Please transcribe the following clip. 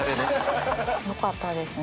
よかったですね。